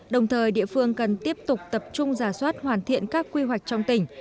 đồng thời địa phương cần tiếp tục tập trung giả soát hoàn thiện các quy hoạch trong tỉnh